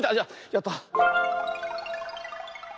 やった！